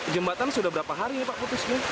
jembatan sudah berapa hari pak putusnya